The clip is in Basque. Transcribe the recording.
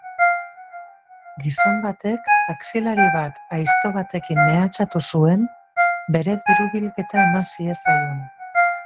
Gizon batek taxilari bat aizto batekin mehatxatu zuen bere diru-bilketa eman ziezaion.